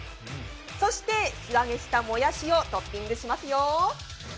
そして素揚げしたもやしをトッピングしますよ。